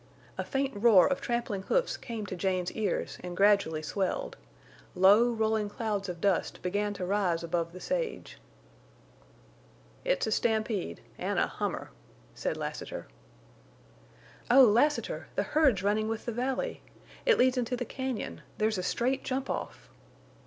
A faint roar of trampling hoofs came to Jane's ears, and gradually swelled; low, rolling clouds of dust began to rise above the sage. "It's a stampede, an' a hummer," said Lassiter. "Oh, Lassiter! The herd's running with the valley! It leads into the cañon! There's a straight jump off!"